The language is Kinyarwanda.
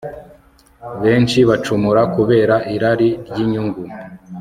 benshi bacumura kubera irari ry'inyungu